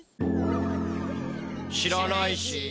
知らないし。